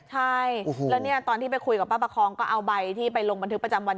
ใช่แล้วเนี่ยตอนที่ไปคุยกับป้าประคองก็เอาใบที่ไปลงบันทึกประจำวัน